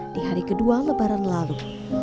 di hari kedua lebaran lalu